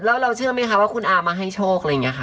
แล้วเราเชื่อไหมคะว่าคุณอามาให้โชคอะไรอย่างนี้ค่ะ